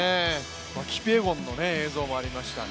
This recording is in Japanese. キピエゴンの映像もありましたね。